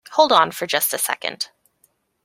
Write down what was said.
Hold on for just a second.